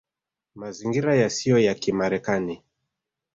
Mazingira Yasiyo ya Kimarekani